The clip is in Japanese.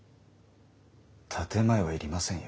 建て前はいりませんよ。